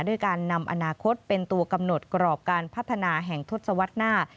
ด้วยการนำอนาคตเป็นตัวกำหนดกรอบการพัฒนาแห่งทศวรรษหน้า